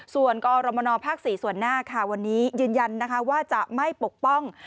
ส่วนกรมนภ๔ส่วนหน้าค่ะวันนี้ยืนยันนะคะว่าจะไม่ปกป้อง